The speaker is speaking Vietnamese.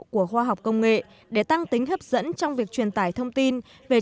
của khoa học công nghệ để tăng tính hấp dẫn trong việc truyền tải thông tin về